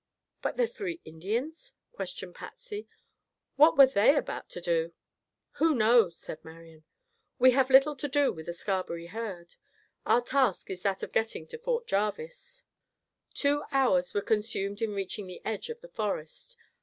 "But the three Indians?" questioned Patsy. "What were they about to do?" "Who knows?" said Marian. "We have little to do with the Scarberry herd. Our task is that of getting to Fort Jarvis." Two hours were consumed in reaching the edge of the forest.